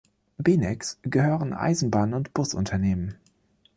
BeNex gehören Eisenbahn- und Busunternehmen.